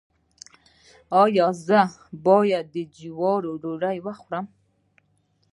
ایا زه باید د جوارو ډوډۍ وخورم؟